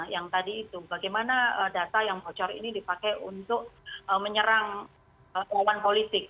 yang tadi itu bagaimana data yang bocor ini dipakai untuk menyerang lawan politik